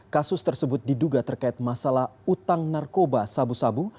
kasus tersebut diduga terkait masalah utang narkoba sabu sabu